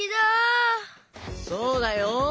そうだよ。